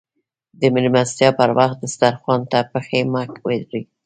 د ميلمستيا پر وخت دسترخوان ته پښې مه ږدئ.